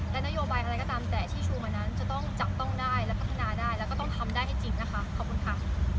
และนโยบายอะไรก็ตามแต่ที่ชูมานั้นจะต้องจับต้องได้และพัฒนาได้แล้วก็ต้องทำได้ให้จริงนะคะขอบคุณค่ะ